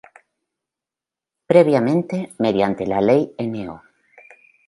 Previamente, mediante ley No.